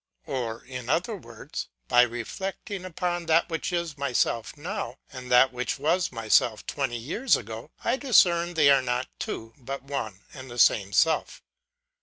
Or, in other words, by T90 257 258 The Analogy of Religion reflecting upon that which is myself now, and that which was myself twenty years ago, I discern they are not two, but one and the same self.